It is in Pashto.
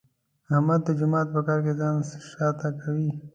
احمد د جومات په کار کې ځان شاته کوي.